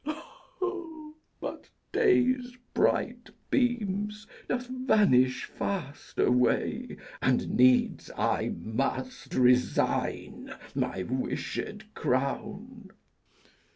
But day's bright beams doth vanish fast away, And needs I must resign my wished crown.